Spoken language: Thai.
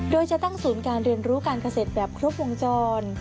โดยจะตั้งศูนย์การเรียนรู้การเกษตรแบบครบวงจร